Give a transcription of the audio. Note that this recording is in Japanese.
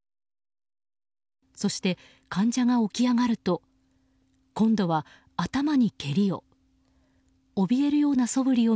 そして患者が起き上がると今度は頭に蹴りを。